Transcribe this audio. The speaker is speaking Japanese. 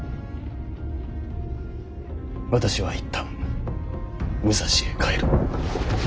私は一旦武蔵へ帰る。